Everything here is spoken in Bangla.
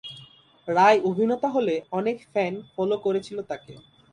রায় অভিনেতা হলে অনেক ফ্যান ফলো করেছিলো তাকে।